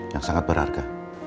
yang sangat berharga